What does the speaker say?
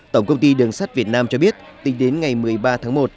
tổng công ty đường sắt việt nam cho biết tính đến ngày một mươi ba tháng một